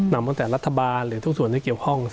ตั้งแต่รัฐบาลหรือทุกส่วนที่เกี่ยวข้อง